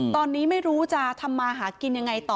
ตอนนี้ไม่รู้จะทำมาหากินยังไงต่อ